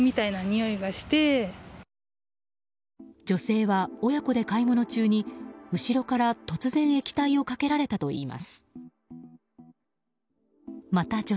女性は親子で買い物中に後ろから突然液体をかけられたといいます。